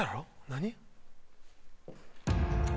何？